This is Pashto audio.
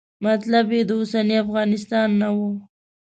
مطلب یې د اوسني افغانستان نه و.